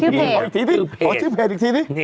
มีชื่อเพจ